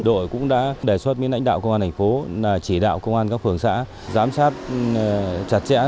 đội cũng đã đề xuất với lãnh đạo công an thành phố chỉ đạo công an các phường xã giám sát chặt chẽ